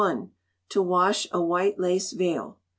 To Wash a White Lace Veil.